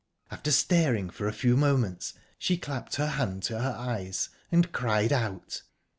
after staring for a few moments, she clapped her hand to her eyes, and cried out.